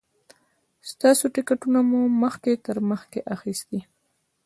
ستاسو ټکټونه مو مخکې تر مخکې اخیستي.